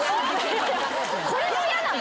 これも嫌なの？